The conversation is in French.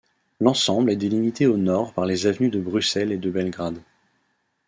L'ensemble est délimité au nord par les avenues de Bruxelles et de Belgrade.